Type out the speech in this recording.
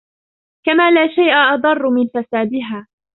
كَمَا لَا شَيْءَ أَضَرُّ مِنْ فَسَادِهَا